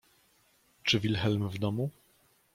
— Czy Wilhelm w domu?